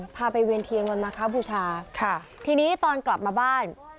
พาไปเวียนเทียงลงมาข้าวผู้ชาค่ะทีนี้ตอนกลับมาบ้าน